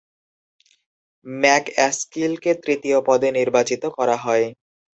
ম্যাকঅ্যাস্কিলকে তৃতীয় পদে নির্বাচিত করা হয়।